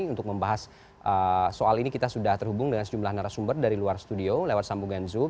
untuk membahas soal ini kita sudah terhubung dengan sejumlah narasumber dari luar studio lewat sambungan zoom